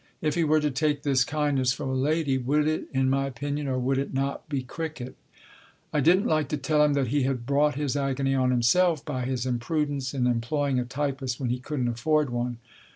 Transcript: If he were to take this kindness from a lady would it, in my opinion, or would it not, be cricket ? I didn't like to tell him that he had brought his agony on himself by his imprudence in employing a typist when he couldn't afford one.